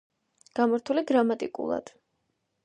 გამართული გრამატიკულად